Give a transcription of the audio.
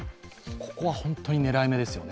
ここは本当に狙い目ですよね。